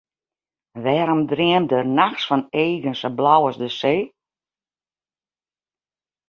Wêrom dreamde er nachts fan eagen sa blau as de see?